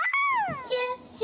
シュッシュ！